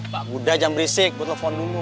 ya lupa udah jangan berisik gue telfon dulu